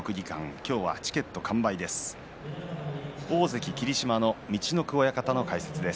今日はチケット完売です。